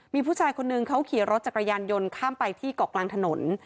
มีผู้ชายคนนึงเขาขี่รถจักรยานยนต์ข้ามไปที่เกาะกลางถนน